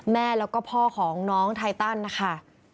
แม่แล้วก็พ่อของน้องไทตันนะคะ